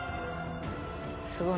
すごい。